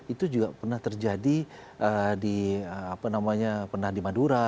itu juga pernah terjadi di apa namanya pernah di madura